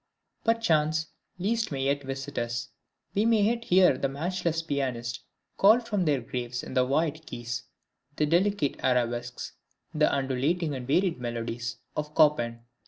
Perchance Liszt may yet visit us; we may yet hear the matchless Pianist call from their graves in the white keys, the delicate arabesques, the undulating and varied melodies, of Chopin.